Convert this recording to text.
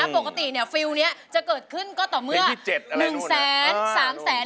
ปกติฟิลล์นี้จะเกิดขึ้นก็ต่อเมื่อ๑๓แสน